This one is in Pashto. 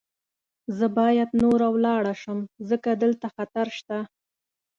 زه باید نوره ولاړه شم، ځکه دلته خطر شته.